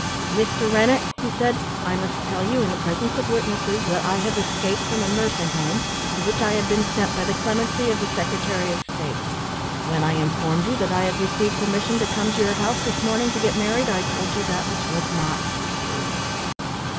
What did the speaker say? "Mr. Rennett," he said, "I must tell you in the presence of witnesses, that I have escaped from a nursing home to which I had been sent by the clemency of the Secretary of State. When I informed you that I had received permission to come to your house this morning to get married, I told you that which was not true."